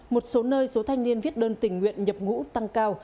một số nơi số thanh niên viết đơn tình nguyện nhập ngũ tăng cao